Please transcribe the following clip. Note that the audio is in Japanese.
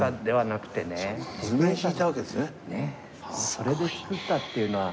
それで造ったっていうのは。